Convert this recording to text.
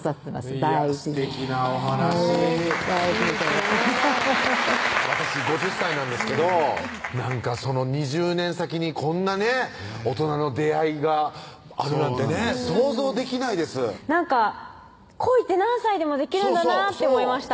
大事にすてきなお話私５０歳なんですけどなんかその２０年先にこんなね大人の出会いがあるなんてね想像できないです恋って何歳でもできるんだなって思いました